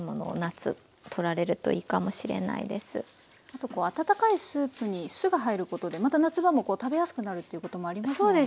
あと温かいスープに酢が入ることでまた夏場も食べやすくなるっていうこともありますもんね。